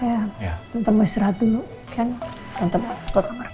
oke tante mau ke kamar